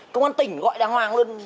công an tỉnh gọi đàng hoàng luôn